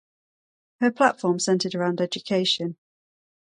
Her platform centered around education.